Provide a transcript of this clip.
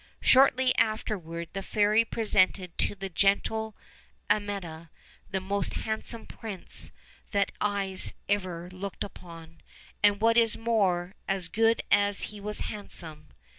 Shortly afterward the fairy presented Co the gentle Amietta the most handsome prince OLD, OLD FAIRY TALKS. 241 6yes ever looked upon, and what is more, as good as he was handsome.